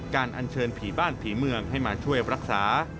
อันเชิญผีบ้านผีเมืองให้มาช่วยรักษา